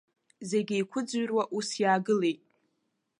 Зегь еиқәыӡырҩуа ус иааилагылеит.